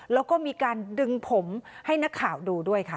แล้วก็มีการดึงผมให้นักข่าวดูด้วยค่ะ